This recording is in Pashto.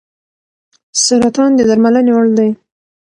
سرطان د درملنې وړ دی.